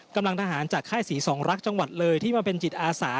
กำลังทหารจากค่ายศรีสองรักจังหวัดเลยที่มาเป็นจิตอาสา